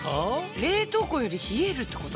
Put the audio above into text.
冷凍庫より冷えるってこと？